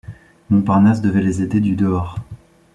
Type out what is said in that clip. Montparnasse devait les aider du dehors.